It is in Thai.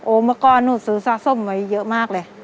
โอ้มะกอนหนูซื้อซะส้มใหม่เยอะมากเลย